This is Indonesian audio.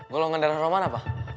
golongan darah roman apa